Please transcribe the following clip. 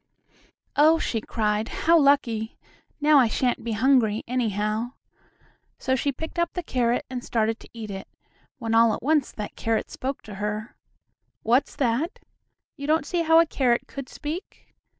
"Oh!" she cried, "how lucky! Now I shan't be hungry, anyhow." So she picked up the carrot and started to eat it, when all at once that carrot spoke to her. What's that? You don't see how a carrot could speak?